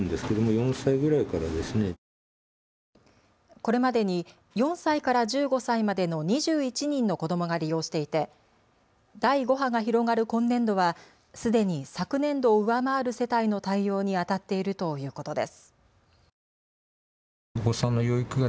これまでに４歳から１５歳までの２１人の子どもが利用していて第５波が広がる今年度はすでに昨年度を上回る世帯の対応にあたっているということです。